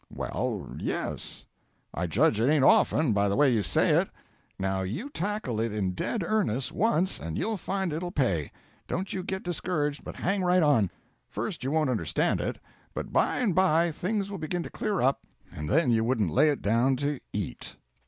'Well yes.' 'I judge it ain't often, by the way you say it. Now, you tackle it in dead earnest once, and you'll find it'll pay. Don't you get discouraged, but hang right on. First you won't understand it; but by and by things will begin to clear up, and then you wouldn't lay it down to eat.'